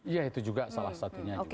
ya itu juga salah satunya juga